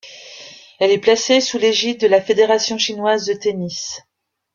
Elle est placée sous l'égide de la Fédération chinoise de tennis.